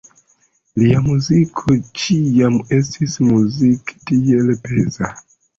Lia muziko ĉiam estis Musik tiel peza.